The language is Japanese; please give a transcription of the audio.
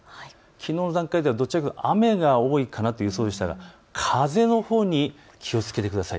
きのうの段階では、どちらかというと雨が多い予想でしたが風に気をつけてください。